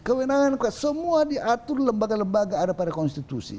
kewenangan semua diatur lembaga lembaga ada pada konstitusi